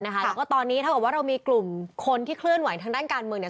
แล้วก็ตอนนี้เท่ากับว่าเรามีกลุ่มคนที่เคลื่อนไหวทางด้านการเมืองเนี่ย